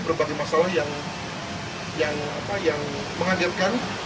berbagai masalah yang mengandalkan